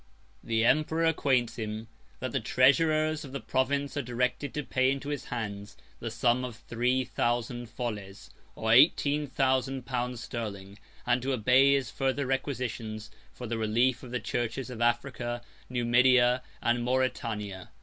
The emperor acquaints him, that the treasurers of the province are directed to pay into his hands the sum of three thousand folles, or eighteen thousand pounds sterling, and to obey his further requisitions for the relief of the churches of Africa, Numidia, and Mauritania.